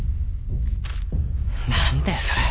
何だよそれ。